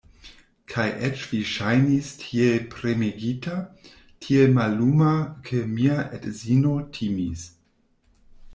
Kaj eĉ vi ŝajnis tiel premegita, tiel malluma, ke mia edzino timis.